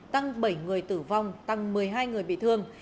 tăng bảy người tử vong tăng một mươi hai người bị thương